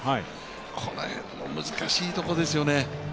この辺の難しいところですよね。